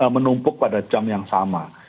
menumpuk pada jam yang sama